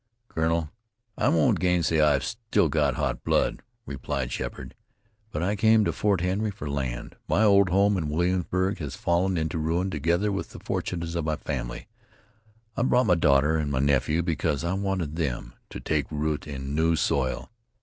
"Colonel, I won't gainsay I've still got hot blood," replied Sheppard; "but I came to Fort Henry for land. My old home in Williamsburg has fallen into ruin together with the fortunes of my family. I brought my daughter and my nephew because I wanted them to take root in new soil."